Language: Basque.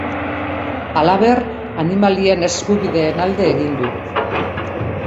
Halaber, animalien eskubideen alde egin du.